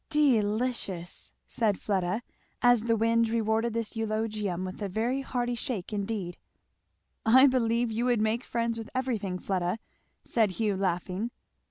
Delicious! " said Fleda, at the wind rewarded this eulogium with a very hearty shake indeed. "I believe you would make friends with everything, Fleda," said Hugh laughing.